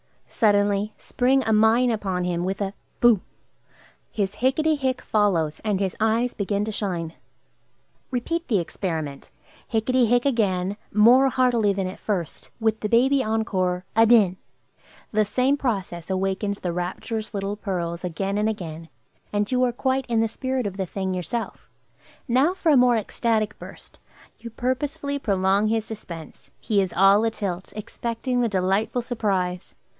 Suddenly spring a mine upon him with a "Boo!" His "Hicketty hick!" follows, and his eyes begin to shine. Repeat the experiment. "Hicketty hick!" again, more heartily than at first, with the baby encore, "Adin!" The same process awakens the rapturous little pearls again and again, and you are quite in the spirit of the thing yourself. Now for a more ecstatic burst. You purposely prolong his suspense; he is all atilt, expecting the delightful surprise.